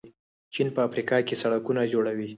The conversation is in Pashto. چین په افریقا کې سړکونه جوړوي.